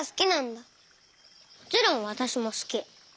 もちろんわたしもすき。